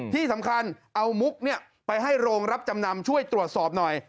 ที่สำคัญเอามุกไปให้โรงรับจำนำช่วยตรวจสอบหน่อย